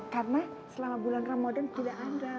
karena selama bulan ramadan tidak ada